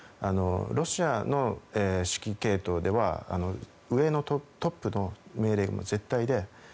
ロシアの指揮系統ではトップの命令が絶対で。